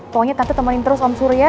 pokoknya tante temenin terus om surya